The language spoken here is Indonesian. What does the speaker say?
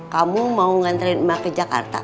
kamu mau nganterin ma ke jakarta